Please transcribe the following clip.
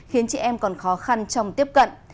khiến chị em còn khó khăn trong tiếp cận